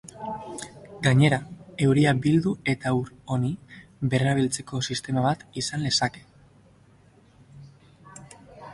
Gainera, euria bildu eta ur hori berrerabiltzeko sistema bat izan lezake.